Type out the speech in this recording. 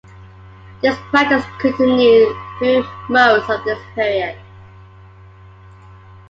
This practice continued through most of this period.